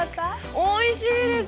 おいしいです。